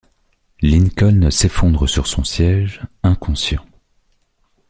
Lincoln s'effondre sur son siège, inconscient.